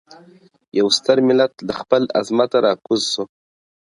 يو ستر ملت له خپل عظمته راکوز سو.